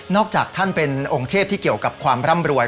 จากท่านเป็นองค์เทพที่เกี่ยวกับความร่ำรวย